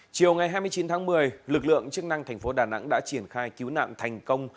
chiều ngày hai mươi chín tháng một mươi lực lượng chức năng thành phố đà nẵng đã triển khai cứu nạn thành công